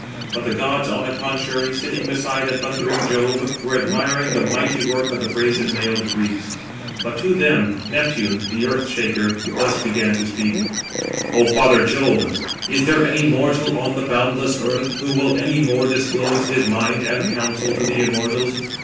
But the gods on the contrary sitting beside the thundering Jove, were admiring the mighty work of the brazen mailed Greeks; but to them Neptune, the earth shaker, thus began to speak: "O father Jove, is there any mortal on the boundless earth, who will any more disclose his mind and counsel to the immortals?